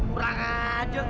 kurang aja tuh